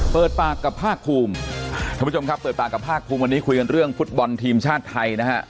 เปิดปากกับภาคภูมิท่านผู้ชมครับเปิดปากกับภาคภูมิวันนี้คุยกันเรื่องฟุตบอลทีมชาติไทยนะฮะ